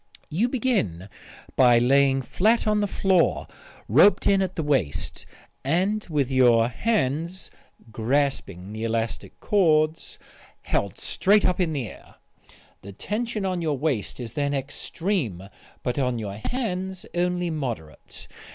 You begin by lying flat on the floor roped in at the waist, and with your hands (grasping the elastic cords) held straight up in the air. The tension on your waist is then extreme but on your hands only moderate.